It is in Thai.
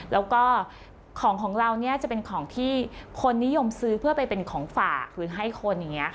แล้วก็ของของเราเนี่ยจะเป็นของที่คนนิยมซื้อเพื่อไปเป็นของฝากหรือให้คนอย่างนี้